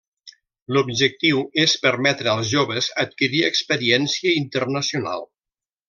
L'objectiu és permetre als joves adquirir experiència internacional.